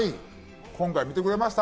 今回、見てくれました？